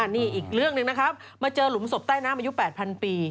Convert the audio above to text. นี่อีกเรื่องหนึ่งนะครับมาเจอหลุมศพใต้น้ำอายุ๘๐๐ปี